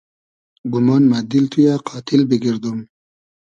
گومان مۂ دیل تو یۂ قاتیل بیگئردوم